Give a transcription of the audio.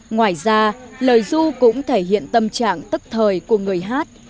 ngoài ra lời du cũng thể hiện tâm trạng tức thời của người hát